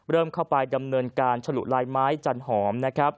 เริ่มเข้าไปดำเนินการฉลุลายไม้จันทร์หอม